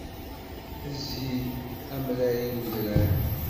Izzi amrar i udrar.